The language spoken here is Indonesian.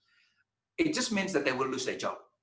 itu hanya berarti mereka akan kehilangan pekerjaan